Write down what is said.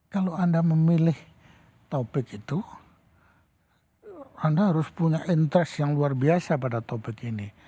kalau anda memilih topik itu anda harus punya interest yang luar biasa pada topik ini